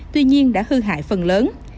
tuy nhiên đã hư hại phần lớn